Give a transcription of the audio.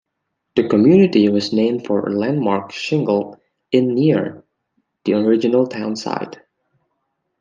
The community was named for a landmark shingled inn near the original town site.